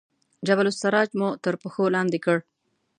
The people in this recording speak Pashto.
جبل السراج مو تر پښو لاندې کړ.